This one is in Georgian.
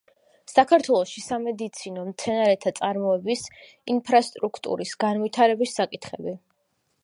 საქართველოში სამედიცინო მცენარეთა წარმოების ინფრასტრუქტურის განვითარების საკითხები.